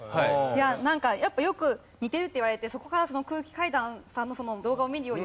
なんかよく似てるって言われてそこから空気階段さんの動画を見るようになったら。